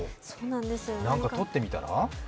何か取ってみたら？